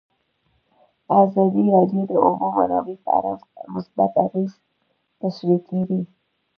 ازادي راډیو د د اوبو منابع په اړه مثبت اغېزې تشریح کړي.